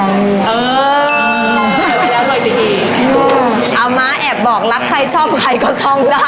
เออเอาไว้แล้วหน่อยสิอีกอ๋ออามาแอบบอกรับใครชอบใครก็ท่องได้